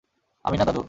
আমি না দাদু!